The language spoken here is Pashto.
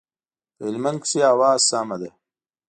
په هلمند کښي هوا سمه ده.